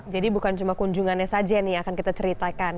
jadi bukan cuma kunjungannya saja nih yang akan kita ceritakan